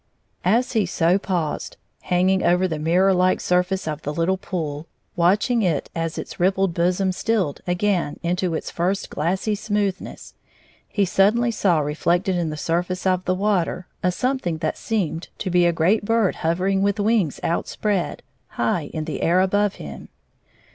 As he so paused, hanging over the mirror Uke surface of the Httle pool, watching it as its rippled bosom stilled again into its first glassy smooth ness, he suddenly saw reflected in the surface of the water a something that seemed to be a great bird hovering with wings outspread, high in the air above him.